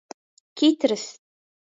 Kitrs.